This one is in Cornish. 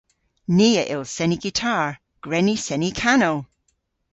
Ni a yll seni gitar. Gwren ni seni kanow!